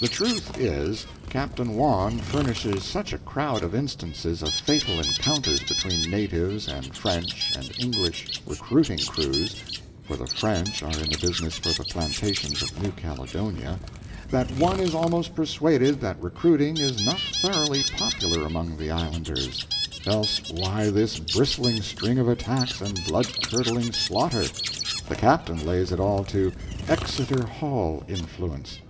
The truth is, Captain Wawn furnishes such a crowd of instances of fatal encounters between natives and French and English recruiting crews (for the French are in the business for the plantations of New Caledonia), that one is almost persuaded that recruiting is not thoroughly popular among the islanders; else why this bristling string of attacks and bloodcurdling slaughter? The captain lays it all to "Exeter Hall influence."